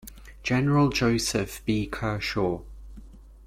General Joseph B. Kershaw.